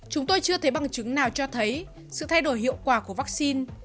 chúng tôi chưa thấy bằng chứng nào cho thấy sự thay đổi hiệu quả của vaccine